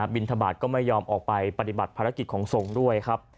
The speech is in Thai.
บินทบาทก็ไม่ยอมออกไปปฏิบัติภารกิจของทรงด้วยครับ